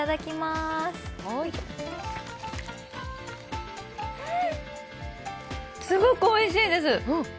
すごくおいしいです。